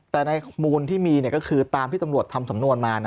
แต่ในมูลที่มีก็คือตามที่ตำรวจทำสำนวนมา